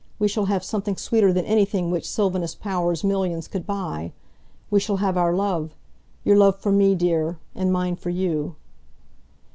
We shall have something sweeter than anything which Sylvanus Power's millions could buy. We shall have our love your love for me, dear, and mine for you."